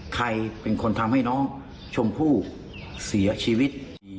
ใครเป็นคนทำให้น้องชมพู่เสียชีวิต